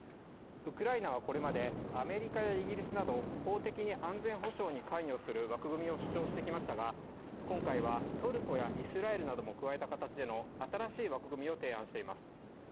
ウクライナはこれまでアメリカやイギリスなど法的に安全保障に関与する枠組みを主張してきましたが今回はトルコやイスラエルなども加えた形での新しい枠組みを提案しています。